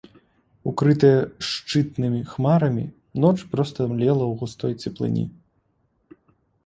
Укрытая шчытнымі хмарамі, ноч проста млела ў густой цеплыні.